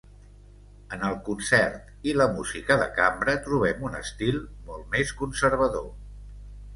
En el concert i la música de cambra trobem un estil molt més conservador.